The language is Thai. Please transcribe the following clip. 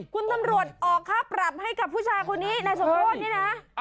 คุณตำรวจออกค่าปรับให้กับผู้ชายคนนี้นายสมโรธนี่นะ